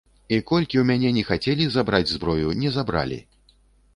І колькі ў мяне ні хацелі забраць зброю, не забралі.